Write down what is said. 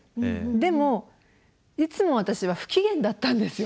でもいつも私は不機嫌だったんですよ。